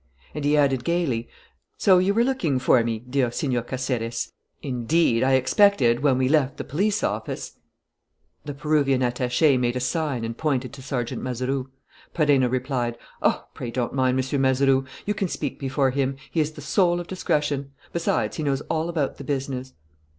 And he added gayly: "So you were looking for me, dear Señor Caceres. Indeed, I expected, when we left the police office " The Peruvian attaché made a sign and pointed to Sergeant Mazeroux. Perenna replied: "Oh, pray don't mind M. Mazeroux! You can speak before him; he is the soul of discretion. Besides, he knows all about the business."